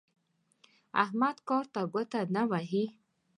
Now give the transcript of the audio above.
احمد کار ته ګوته نه وهي.